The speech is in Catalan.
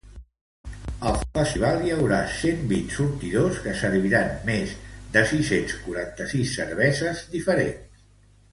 Al festival hi haurà cent vint sortidors que serviran més de sis-cents quaranta-sis cerveses diferents.